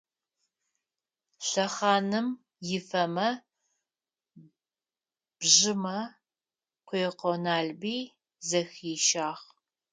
Лъэхъаным ифэмэ-бжьымэ Къуекъо Налбый зэхишӏагъ.